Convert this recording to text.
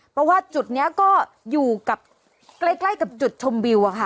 เพราะว่าจุดนี้ก็อยู่กับใกล้กับจุดชมวิวอะค่ะ